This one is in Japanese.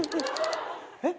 えっ？